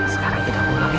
sekarang tidak mau lagi